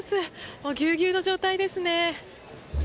もうぎゅうぎゅうの状態ですね。